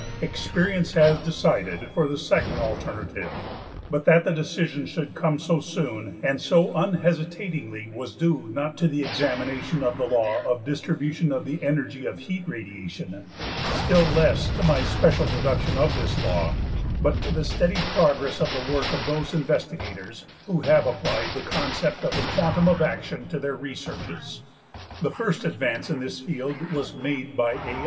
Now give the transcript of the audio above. Experience has decided for the second alternative. But that the decision should come so soon and so unhesitatingly was due not to the examination of the law of distribution of the energy of heat radiation, still less to my special deduction of this law, but to the steady progress of the work of those investigators who have applied the concept of the quantum of action to their researches. \label{Einstein} The first advance in this field was made by A.